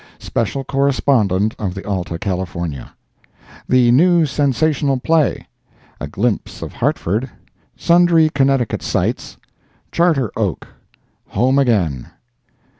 [SPECIAL CORRESPONDENT OF THE ALTA CALIFORNIA] The New Sensational Play—A Glimpse of Hartford—Sundry Connecticut Sights—Charter Oak—"Home Again."